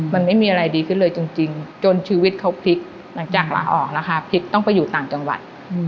มันไม่มีอะไรดีขึ้นเลยจริงจนชีวิตเขาพลิกหลังจากลาออกนะคะพลิกต้องไปอยู่ต่างจังหวัด